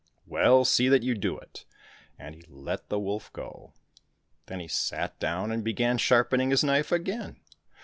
—" Well, see that you do it," and he let the wolf go. Then he sat down and began sharpening his knife again.